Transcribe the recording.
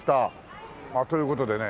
という事でね